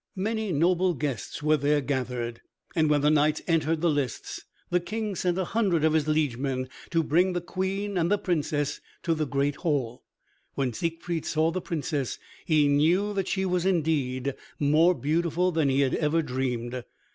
Many noble guests were there gathered and when the knights entered the lists the King sent a hundred of his liegemen to bring the Queen and the Princess to the great hall. When Siegfried saw the Princess he knew that she was indeed more beautiful than he had ever dreamed.